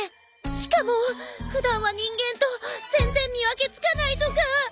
しかも普段は人間と全然見分けつかないとか。